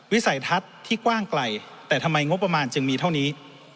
วิสัยทัศน์ที่กว้างไกลแต่ทำไมงบประมาณจึงมีเท่านี้